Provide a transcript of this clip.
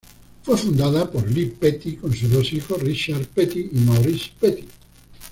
Fue fundada por Lee Petty con sus dos hijos, Richard Petty y Maurice Petty.